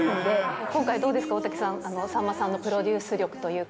今回どうですか、大竹さん、さんまさんのプロデュース力というか。